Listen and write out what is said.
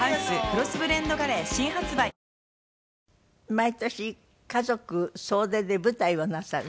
毎年家族総出で舞台をなさる。